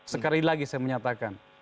sekali lagi saya menyatakan